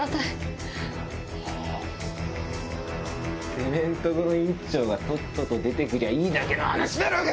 てめぇんとこの院長がとっとと出てくりゃいいだけの話だろうが！